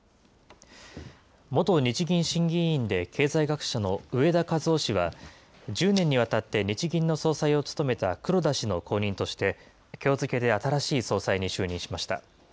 元日銀審議委員で経済学者の植田和男氏は、１０年にわたって日銀の総裁を務めた黒田氏の後任として、きょう付けで新しい総裁に就任しました。